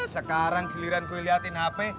sekarang giliran gue liatin hp